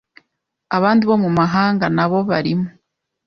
Abandi bo mu mahanga nabo barimo